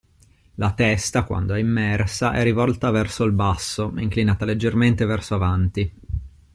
La testa, quando è immersa, è rivolta verso il basso, inclinata leggermente verso avanti.